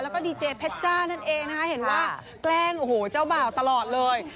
แล้วก็ดีเจเพชจ้านั่นเองนะคะเห็นว่าแกล้งโอ้โหเจ้าบ่าวตลอดเลย